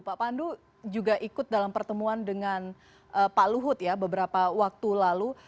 pak pandu juga ikut dalam pertemuan dengan pak luhut ya beberapa waktu lalu